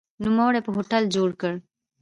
نوموړي په هوټل جوړ کړ.